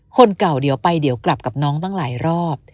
คนเก่าเดี๋ยวไปเดี๋ยวกลับกับน้องตั้งหลายรอบ